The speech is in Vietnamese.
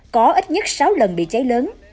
có ít nhất sáu lần bị cháy lớn